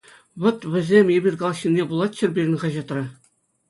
Вӑт, вӗсем эпир калаҫнине вулаччӑр пирӗн хаҫатра.